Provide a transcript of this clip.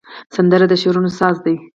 سندره د شعرونو ساز ده